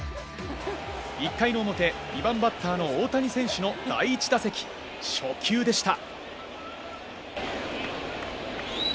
１回の表、２番バッターの大谷選手の第１打席、初球でした。